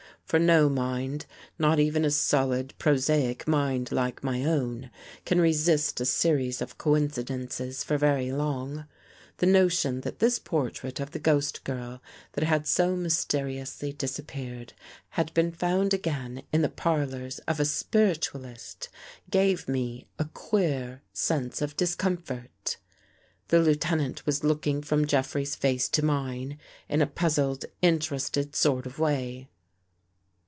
For no mind, not even a solid, prosaic mind like my own, can resist a series of coincidences for very long. The notion that this portrait of the ghost girl that had so mysteri ously disappeared, had been found again in the par lors of a spiritualist, gave me a queer sense of dis comfort. The Lieutenant was looking from Jeffrey's face to mine in a puzzled, interested sort of way.